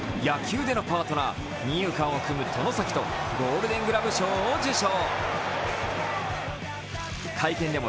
野球でのパートナー、二遊間を組む外崎とゴールデン・グラブ賞を受賞。